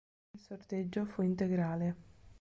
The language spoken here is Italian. Il sorteggio fu integrale.